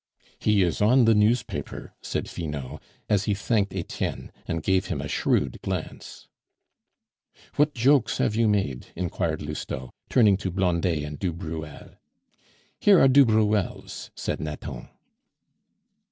"He is on the newspaper," said Finot, as he thanked Etienne, and gave him a shrewd glance. "What jokes have you made?" inquired Lousteau, turning to Blondet and du Bruel. "Here are du Bruel's," said Nathan.